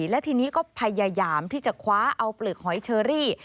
และทีนี้ก็พยายามที่จะคว้าเอาเปลือกหอยเชอรี่